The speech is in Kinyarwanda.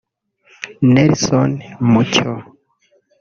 Nelson Mucyo